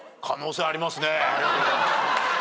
ありがとうございます。